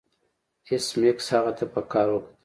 ایس میکس هغه ته په قهر وکتل